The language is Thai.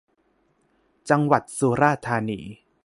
จังหวัดสุราษฏร์ธานี